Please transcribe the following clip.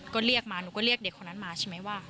ก็เรียกมาหนูก็เรียกเด็กคนนั้นมาใช่ไหมว่า